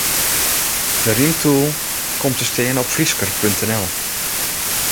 De rymtool komt te stean op Frysker.nl.